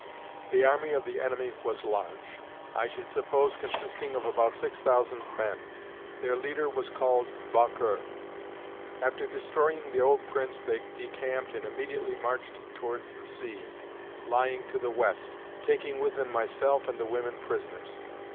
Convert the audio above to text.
The army of the enemy was large, I should suppose consisting of about six thousand men. Their leader was called Baukurre. After destroying the old prince, they decamped and immediately marched towards the sea, lying to the west, taking with them myself and the women prisoners.